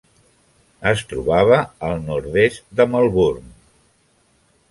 Es trobava al nord-est de Melbourne.